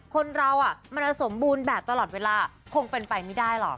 คนเรามันจะสมบูรณ์แบบตลอดเวลาคงเป็นไปไม่ได้หรอก